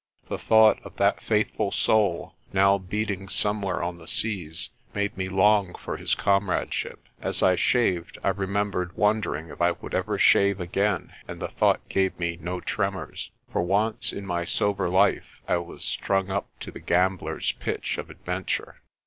The thought of that faithful soul, now beating somewhere on the seas, made me long for his comradeship. As I shaved, I remember wondering if I would ever shave again and the thought gave me no tremors. For once in my sober life I was strung up to the gambler's pitch of adventure.